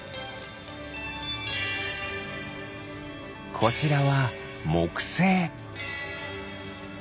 こちらはもくせい。